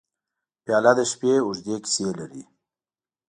پیاله د شپې اوږدې کیسې لري.